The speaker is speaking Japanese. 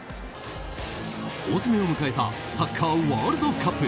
大詰めを迎えたサッカーワールドカップ。